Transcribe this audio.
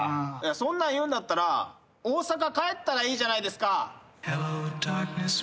そんなん言うんだったら大阪帰ったらいいじゃないですか。